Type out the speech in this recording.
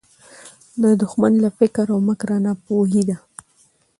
د دښمن له فکر او مِکره ناپوهي ده